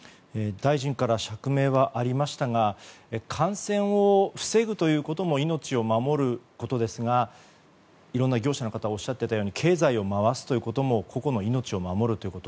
大臣から釈明はありましたが感染を防ぐということも命を守ることですがいろんな業者の方がおっしゃっていたように経済を回すことも個々の命を守るということ。